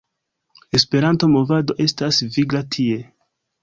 Esperanto-movado estas vigla tie.